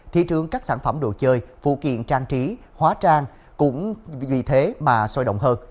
thị trường các sản phẩm đồ chơi phụ kiện trang trí hóa trang cũng vì thế mà sôi động hơn